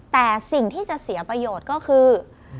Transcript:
แต่สิ่งที่จะเสียประโยชน์ก็คือ